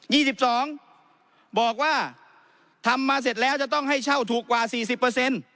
ี่สิบสองบอกว่าทำมาเสร็จแล้วจะต้องให้เช่าถูกกว่าสี่สิบเปอร์เซ็นต์